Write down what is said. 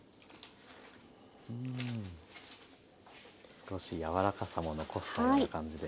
少し柔らかさも残したような感じで。